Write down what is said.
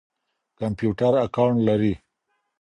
کمپيوټر اکاونټ لري.